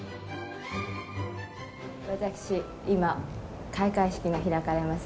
私、今、開会式が開かれます